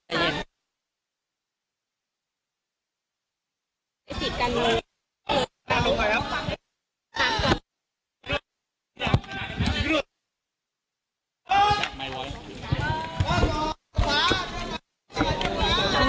สามสอง